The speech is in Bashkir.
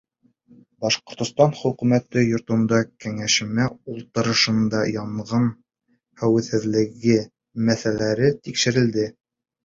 Башҡортостан Хөкүмәте йортондағы кәңәшмә ултырышында янғын хәүефһеҙлеге мәсьәләләре тикшерелде.